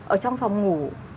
ở trong phòng ngủ